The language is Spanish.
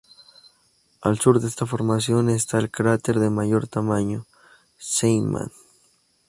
Al sur de esta formación está el cráter de mayor tamaño Zeeman.